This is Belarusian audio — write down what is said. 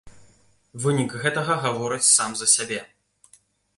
Вынік гэтага гаворыць сам за сябе.